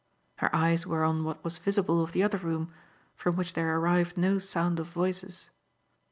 Her eyes were on what was visible of the other room, from which there arrived no sound of voices.